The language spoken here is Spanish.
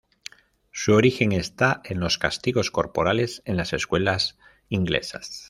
Su origen está en los castigos corporales en las escuelas inglesas.